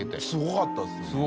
すごかったですよね。